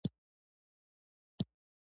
د رسنیو له لارې خلک یو بل ته الهام ورکوي.